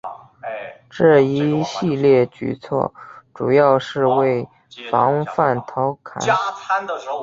这一系列举措主要是为防范陶侃。